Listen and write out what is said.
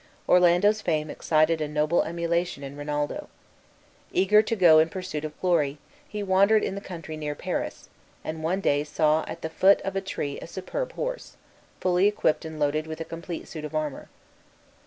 Orlando's fame excited a noble emulation in Rinaldo. Eager to go in pursuit of glory, he wandered in the country near Paris, and one day saw at the foot of a tree a superb horse, fully equipped and loaded with a complete suit of armor.